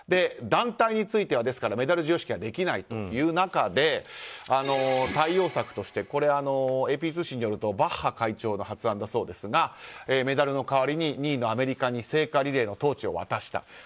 団体についてはメダル授与式ができないという中で対応策として、ＡＰ通信によるとバッハ会長の発案だそうですがメダルの代わりに２位のアメリカに聖火リレーのトーチを贈った。